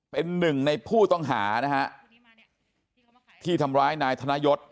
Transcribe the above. เป็นหนึ่งในผู้ต้องหานะฮะที่ทำร้ายนายธนยศ